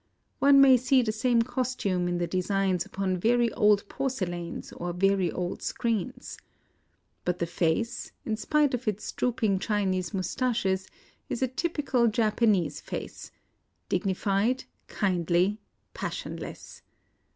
One may see the same costume in the designs upon very old porcelains or very old screens. But the face, in spite of its drooping Chinese moustaches, is a typical Japanese face, — dignified, kindly, passionless.